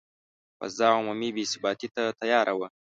فضا عمومي بې ثباتي ته تیاره وه.